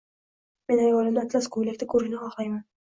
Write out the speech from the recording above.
Men ayolimni atlas ko‘ylakda ko‘rishni xohlayman!